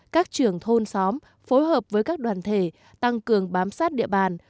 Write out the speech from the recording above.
các trưởng thôn xóm phối hợp với các đoàn thể tăng cường bám sát địa bàn